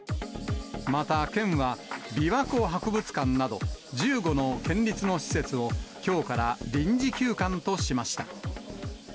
また、県は琵琶湖博物館など、１５の県立の施設を、きょうから臨時休館としました。